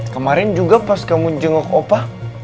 kemarin juga pas kamu jenggok opa